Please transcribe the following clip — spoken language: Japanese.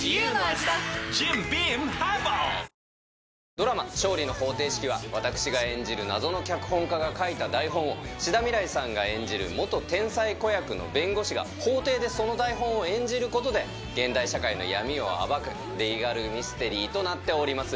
ドラマ、勝利の法廷式は私が演じる謎の脚本家が書いた台本を志田未来さんが演じる元天才子役の弁護士が法廷でその台本を演じることで現代社会の闇を暴く、リーガルミステリーとなっております。